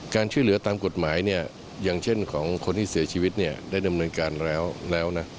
การช่วยเหลือตามกฎหมายเนี่ยอย่างเช่นของคนที่เสียชีวิตเนี่ยได้ดำเนินการแล้วนะ